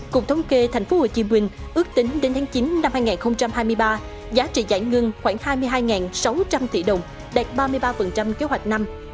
cục thống kê tp hcm ước tính đến tháng chín năm hai nghìn hai mươi ba giá trị giải ngân khoảng hai mươi hai sáu trăm linh tỷ đồng đạt ba mươi ba kế hoạch năm